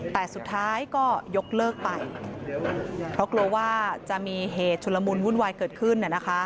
แต่สุดท้ายก็ยกเลิกไปเพราะกลัวว่าจะมีเหตุชุลมุนวุ่นวายเกิดขึ้น